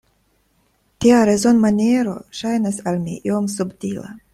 Tia rezonmaniero ŝajnas al mi iom subtila.